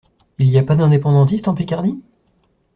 Il y a pas d’indépendantistes en Picardie?